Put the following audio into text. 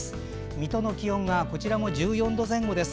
水戸の気温がこちらも１４度前後です。